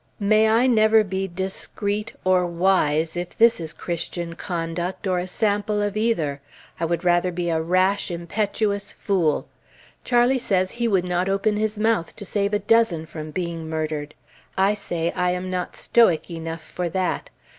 May I never be discreet, or wise, if this is Christian conduct, or a sample of either! I would rather be a rash, impetuous fool! Charlie says he would not open his mouth to save a dozen from being murdered. I say I am not Stoic enough for that.